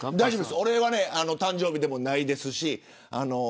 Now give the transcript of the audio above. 俺は誕生日でもないし。